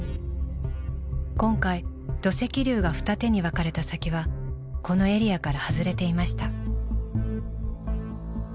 今回土石流が二手に分かれた先はこのエリアから外れていました。